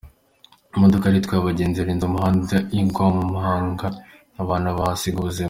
Imodoka yari itwaye abagenzi yarenze umuhanda igwa mu mpanga abantu bahasiga ubuzima.